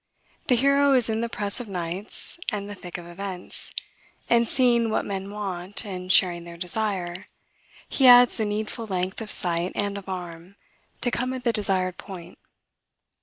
The hero is in the press of knights, and the thick of events; and, seeing what men want, and sharing their desire, he adds the needful length of sight and of arm, to come at the desired point.